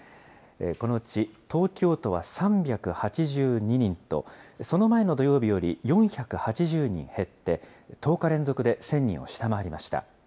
このうち東京都は３８２人と、その前の土曜日より４８０人減って、１０日連続で１０００人を下回りました。